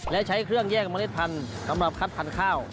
และใช้เครื่องแยกเมล็ดพันธุ์สำหรับคัดพันธุ์ข้าว